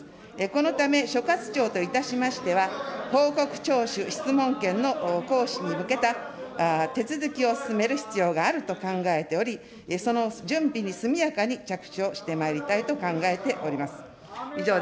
このため、所轄庁といたしましては、報告徴収質問権の行使に向けた手続きを進める必要があると考えており、その準備に速やかに着手をしてまいりたいと考えております。